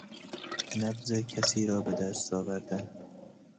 نبض کسیرا بدست آوردن